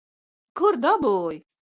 Kur dabūji?